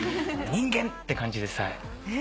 人間って感じです。